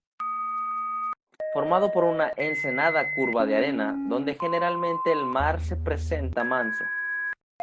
Formado por una ensenada curva de arena, donde generalmente el mar se presenta manso.